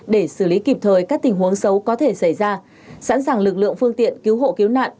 để xử lý kịp thời các tình huống xấu có thể xảy ra sẵn sàng lực lượng phương tiện cứu hộ cứu nạn